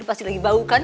pasti lagi bau kan